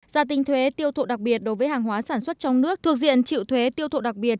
giá tinh thuế tiêu thụ đặc biệt đối với hàng hóa sản xuất trong nước thuộc diện triệu thuế tiêu thụ đặc biệt